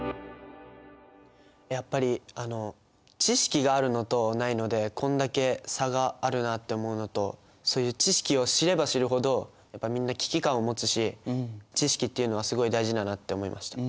やっぱり知識があるのとないのでこんだけ差があるなって思うのとそういう知識を知れば知るほどみんな危機感を持つし知識っていうのはすごい大事だなって思いました。